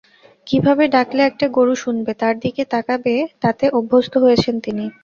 কীভাবে ডাকলে একটা গরু শুনবে, তাঁর দিকে তাকাবে তাতে অভ্যস্ত হয়েছেন তিনি।